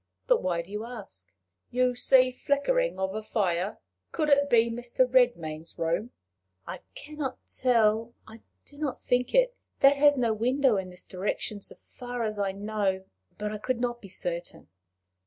But why do you ask?" "You see the flickering of a fire? Could it be Mr. Redmain's room?" "I can not tell. I do not think it. That has no window in this direction, so far as I know. But I could not be certain."